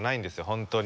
本当に。